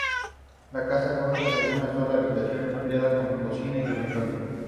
La casa consta de una sola habitación empleada como cocina y dormitorio.